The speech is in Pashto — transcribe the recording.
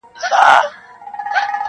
د نادانی عمر چي تېر سي نه راځینه-